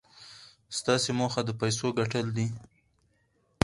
ستاسې موخه د پيسو ګټل دي.